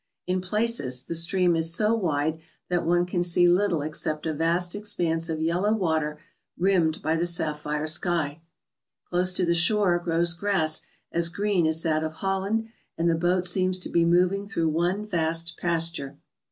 In places the stream is so wide that one can see little except a vast expanse of yellow water rimmed by the sapphire sky. Close to the shore grows grass as green as that of Holland, and the boat seems to be moving through one vast pasture.